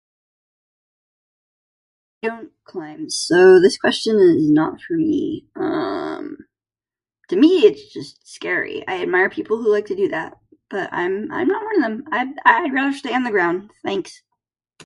So, this question is not for me. To me, it's just scary. I admire people who like to do that, but I'm not one of them. I'd rather stay on the ground, thanks.